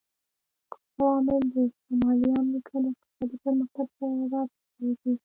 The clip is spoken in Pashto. کوم عوامل د شمالي امریکا د اقتصادي پرمختګ سبب شوي دي؟